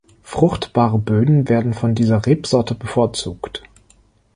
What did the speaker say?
Fruchtbare Böden werden von dieser Rebsorte bevorzugt.